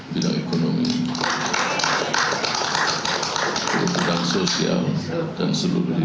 bidang ekonomi bidang sosial dan seluruh dunia